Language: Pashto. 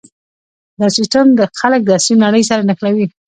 دا سیستم خلک د عصري نړۍ سره نښلوي.